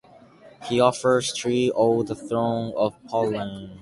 He offers Treat-all the throne of Poland.